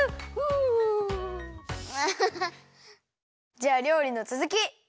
じゃありょうりのつづき！